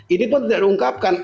ini pun tidak diungkapkan